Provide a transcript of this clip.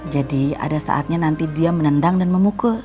jadi ada saatnya nanti dia menendang dan memukul